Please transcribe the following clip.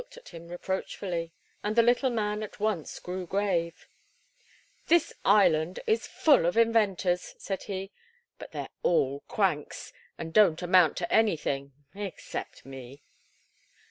John looked at him reproachfully, and the little man at once grew grave. "This island is full of inventors," said he; "but they're all cranks, and don't amount to anything except me."